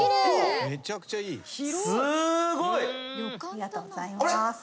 ありがとうございます。